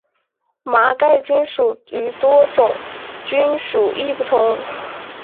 麻盖菌属与多孔菌属亦不同。